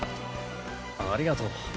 ありがとう。